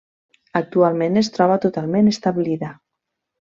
Actualment es troba totalment establida.